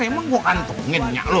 emang gua kantungin ya lu